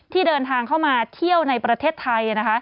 เดินทางเข้ามาเที่ยวในประเทศไทย